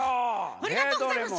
ありがとうございます。